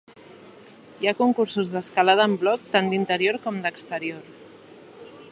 Hi ha concursos d'escalada en bloc tant d'interior com d'exterior.